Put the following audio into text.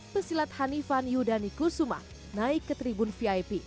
pesilat hanifan yudani kusuma naik ke tribun vip